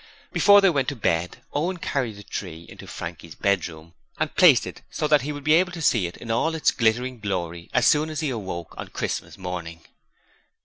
Before they went to bed Owen carried the tree into Frankie's bedroom and placed it so that he would be able to see it in all its glittering glory as soon as he awoke on Christmas morning.